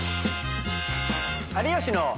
「有吉の」。